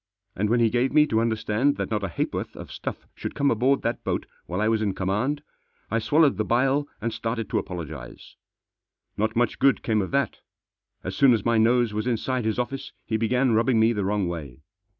And when he gave me to understand that not a ha'porth of stuff should come aboard that boat while I was in com* foand* I swallowed the bile and started to apologise. Not much good came of that As soon as my nose was Inside his office he began rubbing me the Wrong way.